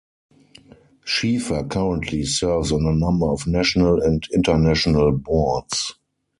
Schieffer currently serves on a number of national and International Boards.